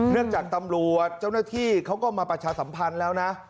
จากตำรวจเจ้าหน้าที่เขาก็มาประชาสัมพันธ์แล้วนะ